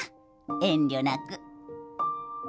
遠慮なく。